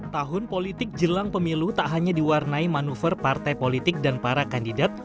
tahun politik jelang pemilu tak hanya diwarnai manuver partai politik dan para kandidat